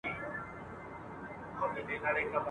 ایوب خان وویل چي ښه وایي.